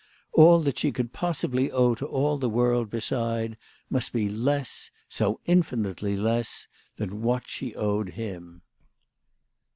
All that she could possibly owe to all the world beside must be less, so infinitely less, than what she owed to him.